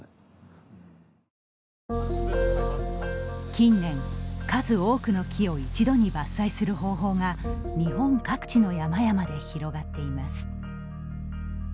近年、数多くの木を一度に伐採する方法が日本各地の山々で広がっています。